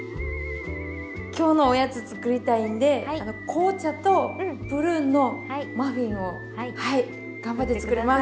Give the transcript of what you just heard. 今日のおやつ作りたいんで紅茶とプルーンのマフィンを頑張って作ります。